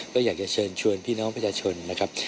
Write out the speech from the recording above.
ก็อยากจะเชิญชวนพี่น้องประชาชนนะครับ